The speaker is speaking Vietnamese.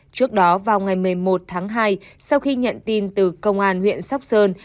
trước đó vào ngày một mươi một tháng hai sau khi nhận tin từ công an huyện sóc sơn